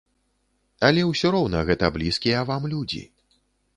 Але ўсё роўна гэта блізкія вам людзі.